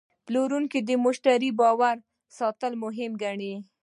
پلورونکی د مشتری باور ساتل مهم ګڼي.